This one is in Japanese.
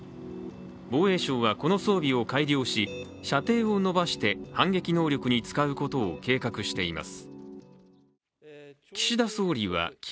防衛省はこの装備を改良し射程を伸ばして反撃能力に使うことを計画しています。